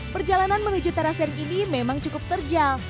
perjalanan menuju terasir ini memang cukup terjal